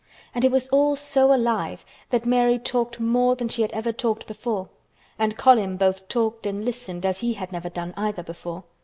And it was all so alive that Mary talked more than she had ever talked before—and Colin both talked and listened as he had never done either before.